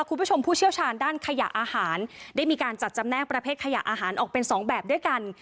ผู้เชี่ยวชาญด้านขยะอาหารได้มีการจัดจำแนกประเภทขยะอาหารออกเป็นสองแบบด้วยกัน